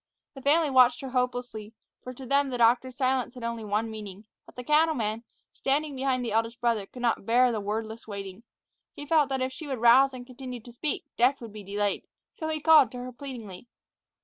The family watched her hopelessly, for to them the doctor's silence had only one meaning; but the cattleman, standing behind the eldest brother, could not bear the wordless waiting. He felt that if she would rouse and continue to speak, death would be delayed. So he called to her pleadingly.